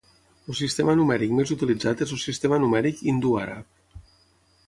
El sistema numèric més utilitzat és el sistema numèric hindú-àrab.